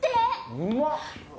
うまっ。